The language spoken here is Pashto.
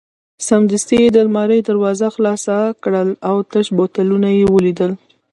سمدستي یې د المارۍ دروازه خلاصه کړل او تش بوتلونه یې ولیدل.